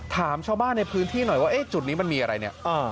ถามชาวบ้านในพื้นที่หน่อยว่าจุดนี้มันมีอะไรเนี่ย